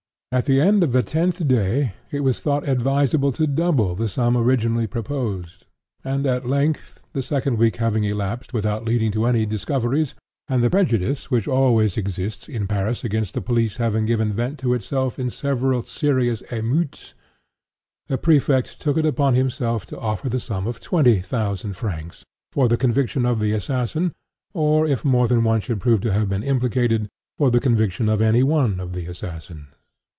At the end of the tenth day it was thought advisable to double the sum originally proposed; and, at length, the second week having elapsed without leading to any discoveries, and the prejudice which always exists in Paris against the Police having given vent to itself in several serious émeutes, the Prefect took it upon himself to offer the sum of twenty thousand francs "for the conviction of the assassin," or, if more than one should prove to have been implicated, "for the conviction of any one of the assassins."